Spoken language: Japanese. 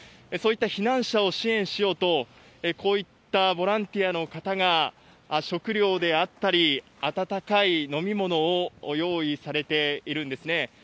そういった避難者を支援しようと、こういったボランティアの方が、食料であったり、温かい飲み物を用意されているんですね。